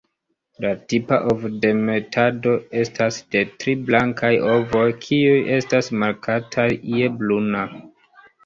La tipa ovodemetado estas de tri blankaj ovoj, kiuj estas markataj je bruna.